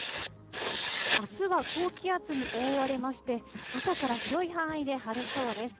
あすは高気圧に覆われまして、朝から広い範囲で晴れそうです。